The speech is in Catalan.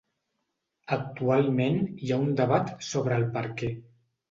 Actualment hi ha un debat sobre el perquè.